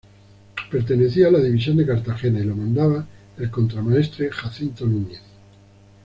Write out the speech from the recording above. Pertenecía a la División de Cartagena y lo mandaba el Contramaestre Jacinto Núñez.